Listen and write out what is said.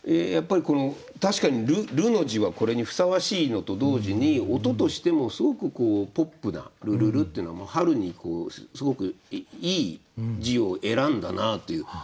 やっぱり確かに「る」の字はこれにふさわしいのと同時に音としてもすごくポップな「るるる」っていうのは春にすごくいい字を選んだなあという。